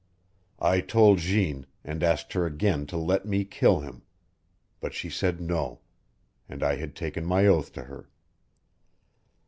I told Jeanne, and asked her again to let me kill him. But she said no and I had taken my oath to her.